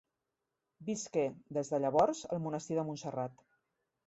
Visqué, des de llavors, al monestir de Montserrat.